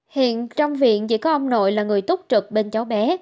hiện trong viện chỉ có ông nội là người túc trực bên cháu bé